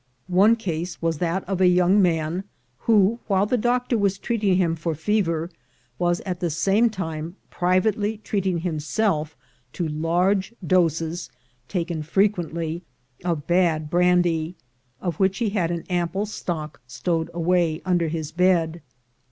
One case was that of a young man, who, while the doctor was treat ing him for fever, was at the same time privately treating himself to large doses, taken frequently, of bad brandy, of which he had an ample stock stowed away under his bed.